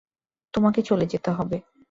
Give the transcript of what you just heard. তোমাকে চলে যেতে হবে।